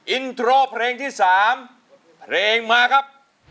อินโทรเพลงที่๓เพลงมาครับ